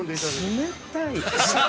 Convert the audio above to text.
◆冷たいっ。